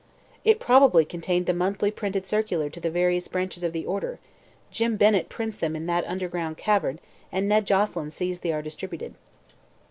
"It probably contained the monthly printed circular to the various branches of the order. Jim Bennett prints them in that underground cavern and Ned Joselyn sees they are distributed."